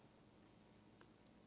kami melfelahi untuk meng copenhagen